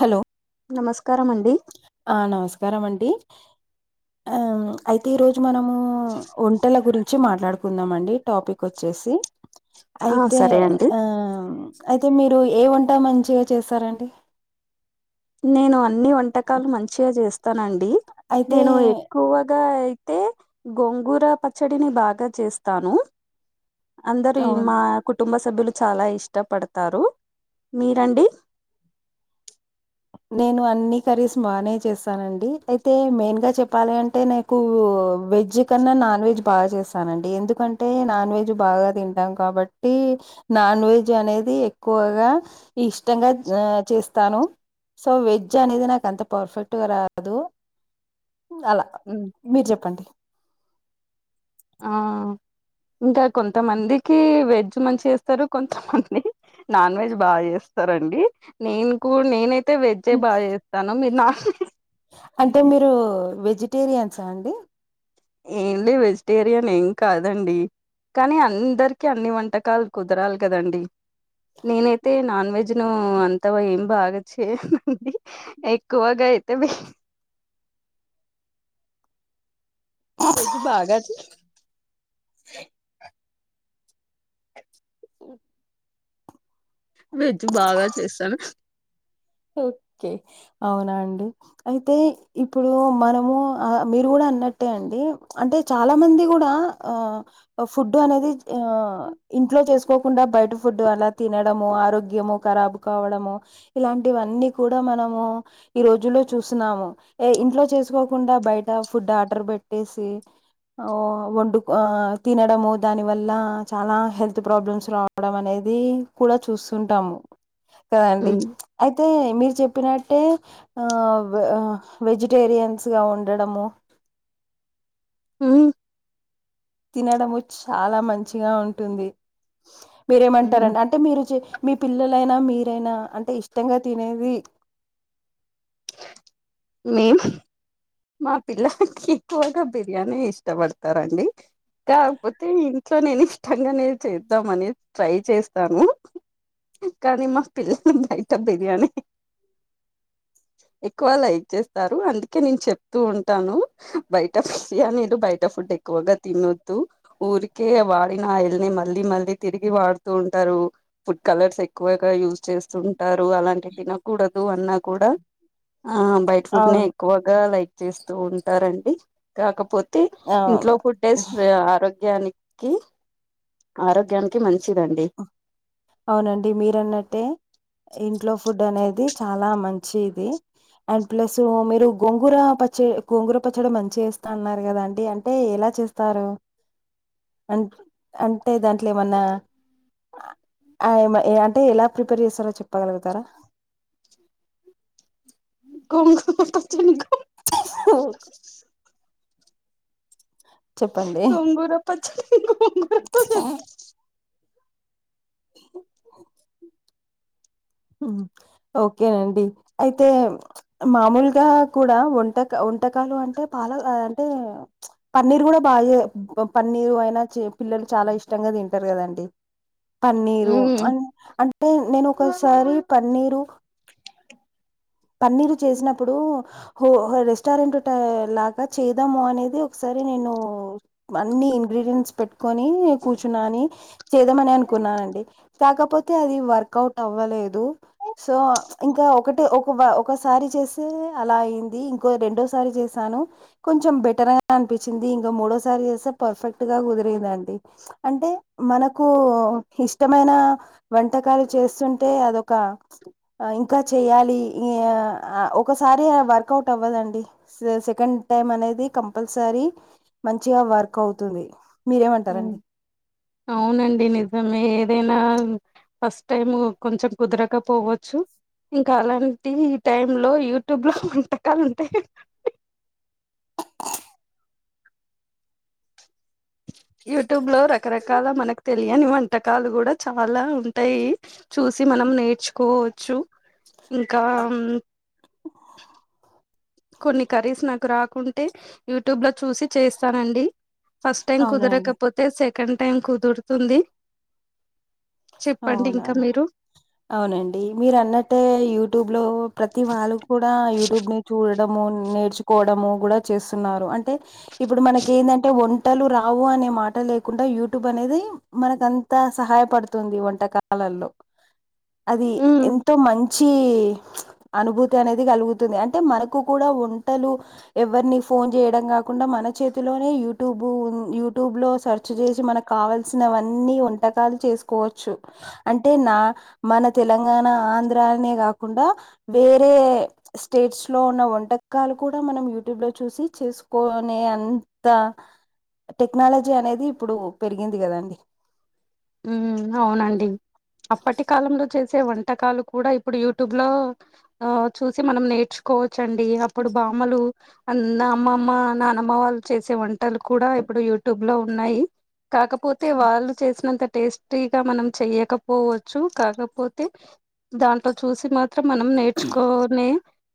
Hello నమస్కారం అండి ఆ నమస్కారం అండి ఆ అయితే ఈరోజు మనము వంటల గురించి మాట్లాడుకుందామండి టాపిక్ వచ్చేసి ఆ అయితే సరే అండి ఆ అయితే మీరు ఏ వంట మంచిగా చేస్తారండి నేను అన్ని వంటకాలు మంచిగా చేస్తానండి అయితే నేను ఎక్కువగా అయి తే గోంగూర పచ్చడిని బాగా చేస్తాను అందరి అవును. మా కు కుటుంబ సభ్యులు చాలా ఇష్టపడతారు మీరండి నేను అన్ని కర్రీస్ బాగనే చేస్తానండి అయితే మెయిన్‌గా చెప్పాలి అంటే నాకు వెజ్ కన్నా నాన్ వెజ్ బాగా చేస్తానండి ఎందుకంటే నాన్ వెజ్ బాగా తింటాం కాబట్టి నాన్ వెజ్ అనేది ఎక్కువగా ఇష్టంగా చేస్తాను సో వెజ్ అనేది నాకు అంత పర్ఫెక్ట్‌గా రాదు అలా హ్మ్. మీరు చెప్పండి ఆ ఇంకా కొంతమందికి వెజ్ మంచిచేస్తారు కొంతమంది నాన్ వెజ్ బాగా చేస్తారంండి నేను కూడా నేనై తే వెజ్జే బాగా చేస్తాను మీరు నా అంటే మీరు వెజిటేరియన్సా అండి ఏంలే వెజిటేరియన్ ఏం కాదండి కానీ అందరికి అన్ని వంటకాలు కుదరాలి కదండీ నేనైతే నాన్ వెజ్‌ను అంత ఏం బాగా చేయనండి ఎక్కువగా అయితే వెజ్ బాగా చే ఎ మ్మ్ వెజ్ బాగా చేస్తాను ఓకే అవునా అండి అయితే ఇప్పుడు మనము ఆ మీరు కూడా అన్నట్టే అండి అంటే చాలా మంది కూడా ఆ ఫుడ్ అనేది ఆ ఇంట్లో చేసుకోకుండా బయట ఫుడ్డు అలా తినడము ఆరోగ్యము ఖరాబు కావడము ఇలాం టివన్నీ కూడా మనము ఈరోజులో చూస్తున్నాము ఏ ఇంట్లో చేసుకోకుండా బయట ఫు డ్ ఆర్డర్ పెట్టేసి ఆ వోండు ఆ తినడము దాని వల్ల చాలా హెల్త్ ప్రాబ్లమ్స్ రావడం అనే ది కూడా చూస్తుంటాము కదండి తే మీరు చెప్పినట్టే వెజిటేరియన్స్గా ఉండడము ఉమ్మ్ తినడము చాలా మంచిగా ఉంటుంది మీరేమంటారండి అంటే మీరు చే మీ పిల్ల లైనా మీరైనా అంటే ఇష్టంగా తినేది మేం మా పిల్లలకి ఎక్కువగా బిర్యానీ ఇష్టపడతరండి కాక్పోతే ఇంట్లో నేనిష్టంగానే చేద్దామని ట్రై చేస్తాను కనీ మా పిల్లలు బయట బిర్యానీ ఎక్కువ లైక్ చేస్తారు అందుకే నేన్ చెప్ తూ ఉంటాను బయట బిర్యానీలు బయట ఫుడ్ ఎక్కువగా తినొద్దు ఊరికే వాడిన ఆయిల్ ని మళ్ళీ మళ్ళీ తిరిగి వాడుతూ ఉంటారు ఫుడ్ కలర్స్ ఎక్కువగా యూజ్ చేస్తు ఉన్ ఉంటారు అలాంటివి తినకూడదు అన్నా కూడా అ ఆ బైట్ ఫుడ్ నే ఎక్కువగా లైక్ చేస్తూ ఉంటారండి కాకపోత్ ఇంట్లో అవును ఫుడ్ టేస్ట్ ఆరోగ్యానికి ఆరోగ్యానికి మంచి అవునండి మీరన్నట్టే ఇంట్లో ఫుడ్ అనేది ది చాలా మంచి ఇది అండ్ ప్లసు మీరు గోంగూర పచ్చ గోంగూర పచ్చడ మంచిగ చేస్తా అన్నరు గదా అండి అంటే ఎలా లా చేస్తారు అన్ అంటే దాంట్లేమన్నా అ ఎమ అంటే ఎలా ప్రిపేర్ చేస్తారో చెప్పగలుగుతారా గోంగూర పచ్చడినికు చెప్పండి గోంగూర పచ్చడి గోంగూరతో ఆ చేస్తా. ఓకేనండి అయితే మామూలుగా కూడా వంట క ఒన్ వంటకాలు అంటే పాల ఆ అంటే పన్నీరు గూడ బాగ జే పన్నీరు అయిన చే పిల్ ల్లలు చాలా ఇష్టంగా తింటరు కదండి పన్నీరు అ ఉమ్ అంటే నేను ఒకసారి పన్నీరు పన్నీరు చేసినప్పుడు హో రెస్టారెంట్ టై లాగా చేద్దాము అనేది ఒకసార్ అది నేను అన్ని ఇంగ్రీడియంట్స్ పెట్టుకొని కూర్చున్నాని చేదామని అనుకున్నా కాకపోతే అది వర్క్ అవుట్ అవ్వలేదు సో ఇంకా ఒకటే ఒక్ వ ఒకసారి చేస్తే అలా అయింది ఇంకో రెండోసారి చేసాను కొంచెం బెటర్ గా అన్ అనిపించింది ఇంకా మూడోసారి చేస్తే పర్ఫెక్ట్ గా కుదిరందండి అంటే మనకు ఇష్టమైన వంటకాలు చేస్తుంటే అదొకా ఇంకా చెయ్యాలి ఇ యా అ ఒకసారి వర్కౌట్ అవ్వదండి సెకండ్ టైమ్ అనేది కంపల్సరీ మంచిగా వర్క్ అవుతుది ఉమ్ అవునండి నిజమే ఏ దైనా ఫస్ట్ టైం కొంచెం కుదరక పోవచ్చు ఇంక అలాంటి టైమ్ లో యూట్యూబ్ లో వంటకాలుంటయ్ గద యూట్యూబ్ లో రకరకాల మనకు తెలియని వంటకాలు గుడ చాలా ఉంటయి చూసి మన్ నం నేర్చుకోవచ్చు ఇంకా కొన్ని కర్రీస్ నాకు రాకుంటే యూట్యూబ్ లో చూసి చేస్తానండి ఫస్ట్ టైం అవునండి కుదరకపోతే సెకండ్ టైం కుదురుతుంది చెప్పండి ఇంక అవునా మీరు అవునండి మీరన్నట్టే యూట్యూబ్ లో ప్రతి వాళ్ళు కూడా యూట్యూబ్ ని చూడ్ డము నేర్చుకోవడము గుడా చేస్తున్నారు అంటే ఇప్పుడు మనకి ఏంటంటే వంటలు రావు అన్ నీమాట లేకుండా యూట్యూబ్ అనేది మనకంత సహాయడు తుంది వంటకాలల్లో అది ఉమ్ ఎంతో మంచి అనుభూతి అనేది కలుగుతుంది అంటే మనకు కూడా వంటలు ఎవరిని ఫోన్ చేయడం కాకుండా మన చేతిలోనే యూట్యూబ్ యూట్యూబ్ లో సెర్చ్ చేసి మనకు కావల్సినవన్నీ వంటకాలు చేసు కోవచ్చు అంటే నా మన తెలంగాణ ఆంధ్రానే కాకుండా వేరే ఏ స్టేట్స్ లో ఉన్న వంటకాలు కూడా మనం యూట్యూబ్ లో చూసి చేసుకొనేం త టెక్నాలజీ అనేది ఇప్పుడు పెరిగింది కదాండి ఉమ్ అవునండి అప్పటి కాలంలో చే సే వంటకాలు కూడా ఇప్పుడు యూట్యూబ్ లో చూసి మనం నేర్చుకో వచ్చు అండి అప్పుడు బామ్మలు అ అమ్మమ్మ నానమ్మ వాళ్ళు చేసే వంటలు కూడా ఇప్పుడు యూట్యూబ్ లో ఉన్నాయి కాకపోతే వాళ్ళు చేసినంత టేస్టీగా మనం చెయ్యకపోవచ్చు కాకపోతే దాంట్లో చూసి మా త్రం మనం నేర్చుకోనే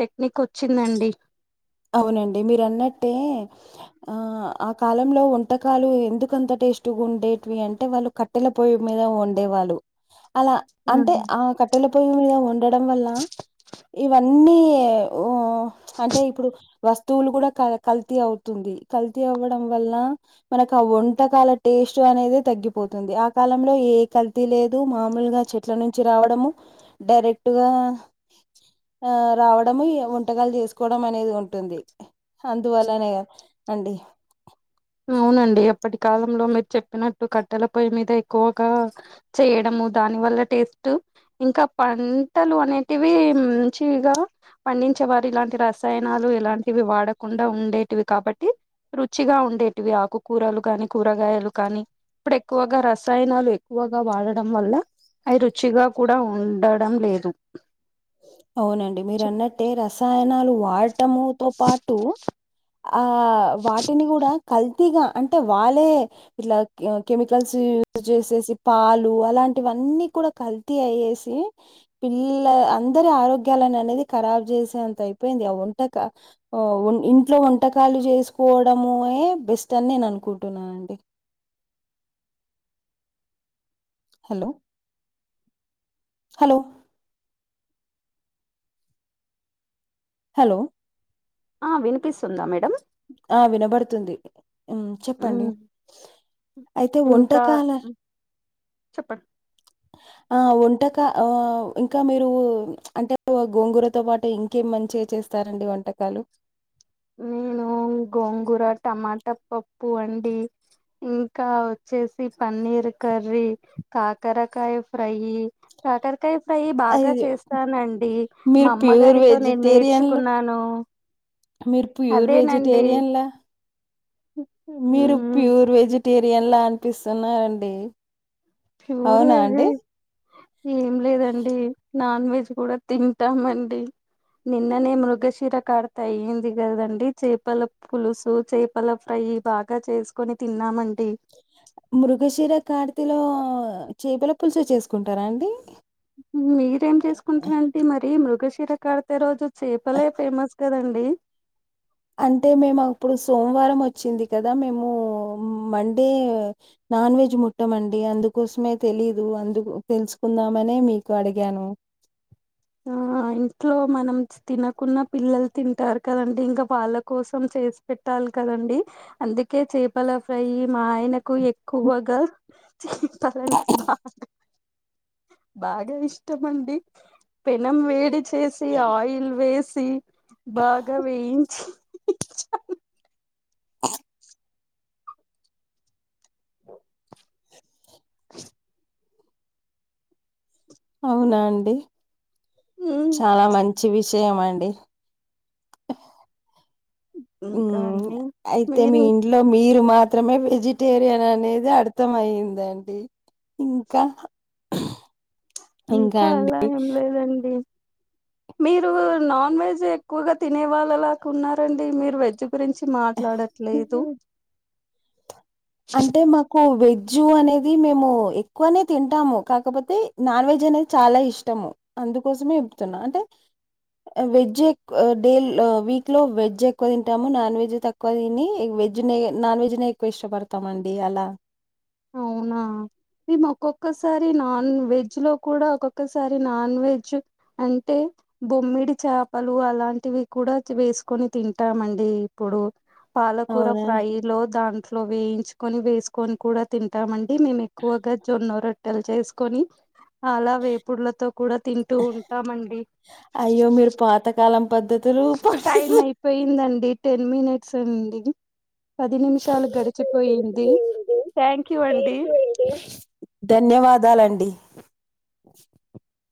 టెక్నిక్ వచ్చిందండి. అవునండి మీరు అన్నట్టే ఆ ఆ కాలంలో వంటకాలు ఎందుకంతటి టేస్ట్ గా ఉండేటివి అంటే వాళ్ళు కట్టెల పొయ్యి మీద వండేవాళ్ళు అలా అంటే ఉమ్ ఆ కట్టెల పొయ్యి మీద వండడం వల్ల ఇవన్ అన్నీ ఉ అంటే ఇప్పుడు వస్తువులు కూడా క కల్తీ అవుతుంది కల్తీ అవ్వడం వల్ల మనకు ఆ వంటకాల టేస్ట్ అనేది తగ్గిపోతుంది ఆ కాలంలో ఏ కల్తీ లేదు మామూలుగా చెట్ల నుంచి రావడము డైరెక్ట్గా ఆ రావడం వంటకాలు చేసుకోవడం అనేది ఉం టుంది అందువల్లనే అండి అవునండి అప్పటి కాలంలో మీరు చెప్పినట్టు కట్టెల పొయ్యి మీద ఎక్కువగా చేయడం దాని వల్ల టేస్ట్ ఇంకా పంటలు అనేటివి మంచిగా పండించే వారు ఇలాంటి రసాయనాలు ఇలాంటివి వాడకుండా ఉండేటివి కాబట్టి రుచిగా ఉండేటివి ఆకుకూరలు కానీ కూరగాయలు కానీ ఇప్పుడు ఎక్కువగా రసాయనాలు ఎక్కువగా వాడడం వల్ల అయి రుచిగా కూడా ఉండడం లేదు అవునండి మీరు చెప్- అన్నట్టే రసాయనాలు వాడటముతో పాటు ఆ వాటిని కూడా కల్తీగా అంటే వాళ్ళే ఇట్లా కెమికల్స్ యూజ్ చేసేసి పాలు అలా అలాంటివి అన్ని కూడా కల్తీ అయ్యేసి పిల్లల అందరి ఆరోగ్యాలను అనేది ఖరాబ్ చేసేంత అయిపోయింది అ వంటకా ఇంట్లో వంటకాలు వంట చేసుకోవడముయే బెస్ట్ అని నేను అనుకుంటున్నా అండి హలో హలో హలో ఆ వినిపిస్తుందా మేడమ్ ఆ వినబడుతుంది ఉమ్ ఉమ్. చెప్పండి అయితే ఇంకా వంటకాలు ఉమ్, చెప్పండి ఆ వంటకా ఆ ఇంకా మీరు అంటే గోంగూరతో పాటు ఇంకే మం చిగా చేస్తారండి వంటకాలు నేను గోంగూర టమాటా పప్పు అండి ఇంకా వచ్చేసి పన్నీర్ కర్రీ కాకరకాయ ఫ్రై ఈ కాకరకాయ ఫ్రై బాగా అయ్యో! చేస్తానండి మీరు మా ప్యూర్ అమ్మగారితో నేను వెజిటేరియన్‌లా నేర్చుకున్ న్నాను మీరు ప్యూర్ వెజిటేరియన్లా మీరు ఉమ్ ప్యూర్ వెజిటేరియన్లా అనిపిస్తున్నరండి ప్యూరు వెజి ఏం లేదండి నాన్ వెజ్ కూడా తింటామండి నిన్ననే మృగశీర కార్తి అయింది కదండి చేపల పులుసు చేపల ఫ్రై నీ బాగా చేసుకొని తిన్నామండి మృగశిర కార్తిలో చేపల పులుసు చేసుకుంటారా అండి మీరేం చేసుకుంటారండి మరి మృగశిర కార్తి రోజు చేపలే ఫేమస్ కదండి అంటే మేము అప్పుడు సోమవారం వచ్చింది కదా మేము మండే నాన్ వెజ్ ముట్టమండి అందుకోసమే తెలీదు అందుకు తెలుసుకుందామనే మీకు అడిగాను ఆ ఇంట్లో మనం తినకుండా పిల్లలు తింటారు కదండి ఇంకా వాళ్ళ కోసం చేసి పెట్టాలి లి కదండి అందుకే చేపల ఫై మా ఆయన క్కు ఎక్కువగా చేపాలంటే బాగా బాగా ఇష్టం అండి పెనం వేడి చేసి ఆయిల్ వేస్ సి బాగా వేయించి అ అవునా అండి ఉమ్, చాలా మంచివి షయం అండి ఇంకా మ్మ్ అండి అయితే మీరు మీ ఇం- ఇంట్లో మీర్ రు మాత్రమే వెజిటేరియన్ అనేది అర్థం అయ్యిందండి ఇంకా ఇంకా అలా ఏం లేదండి మీరు నాన్ వెజ్ ఎక్కువగా తినే వాళ్ళలాగా ఉన్నారండి మీరు వెజ్ గురించి మాట్లాడట్లేదు హ్మ్. అంటే మాకు వెజ్ అనేది మేము ఎక్కువనే తింటాము కాకపోతే నాన్ వెజ్ అనేది చాలా ఇష్టము అందుకోసమే ఇబతున్నా అంటే ఆ వెజ్ ఎక్ డే వీక్ లో వెజ్ ఎక్కువ తింటాము నాన్ వెజ్ తక్కువ తిని వెజ్ నే నాన్ వెజ్ నే ఎక్కువ ఇష్టపడతామండి అలా అవునా మేము ఒక్కొక్కసారి నాన్ వెజ్ లో కూడా ఒక్కొక్కసారి నాన్ వెజ్ అంటే బొమ్మిడి చాపలు అలాంటివి కూడా వేసుకొని తింటామండి ఇప్పుడు పాలకూర అవునా? ఫ్రై లో దాంట్లో వేయించుకొని వేసుకొని కూడా తింటామన్ డి మేము ఎక్కువగా జొన్న రొట్టెలు చేసుకొని అలా వేపుడులతో కూడా తింటూ ఉంటామండి అయ్యో మీరు పాతకాలం పద్ధతులు టైం పాటిస్తు అయిపోయిందండి టెన్ మినిట్స్ అండి పది నిమిషాలు గడిచిపోయింది త్య ధన్యవాదాలండి